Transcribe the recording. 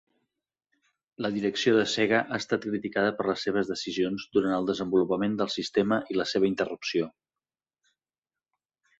La direcció de Sega ha estat criticada per les seves decisions durant el desenvolupament del sistema i la seva interrupció.